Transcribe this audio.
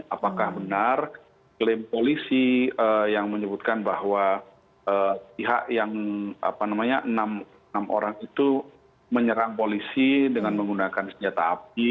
apakah benar klaim polisi yang menyebutkan bahwa pihak yang enam orang itu menyerang polisi dengan menggunakan senjata api